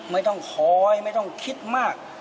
ไม่ต้องคอยไม่ต้องคิดมาก